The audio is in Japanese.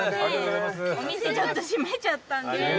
お店ちょっと閉めちゃったんで。